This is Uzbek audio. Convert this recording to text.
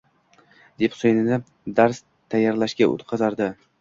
— deb Husayinni dars tayerlashga o'tqizardi.